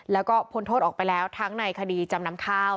แล้วก็พ้นโทษออกไปแล้วทั้งในคดีจำนำข้าว